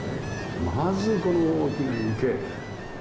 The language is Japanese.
まずこの大きな池。